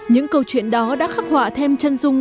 những câu chuyện đó đã khắc họa thêm chân dung